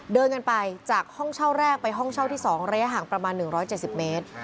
เดินกันไปจากห้องเช่าแรกไปห้องเช่าที่๒ระยะห่างประมาณ๑๗๐เมตร